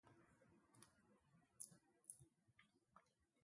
As many as fifty burials and twelve caches have been recovered from Tayasal.